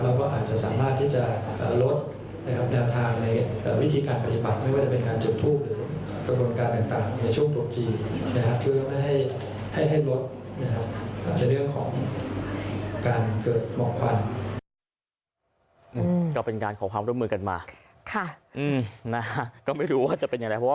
เราก็อาจจะสามารถที่จะลดแนวทางในวิธีการปฏิบัติไม่ว่าจะเป็นการจบทูปหรือประกวนการต่างในช่วงปฏิบัติจีนนะครับ